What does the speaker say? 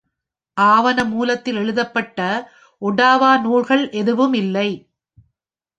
ஆவண மூலத்தில் எழுதப்பட்ட ஒடாவா நூல்கள் எதுவும் இல்லை.